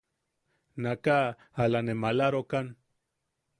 Naaʼaka ala ne maalarokan.